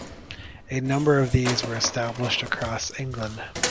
A number of these were established across England.